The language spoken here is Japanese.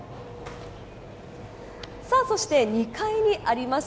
そして、２階にあります